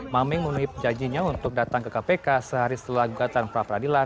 maming memenuhi janjinya untuk datang ke kpk sehari setelah gugatan pra peradilan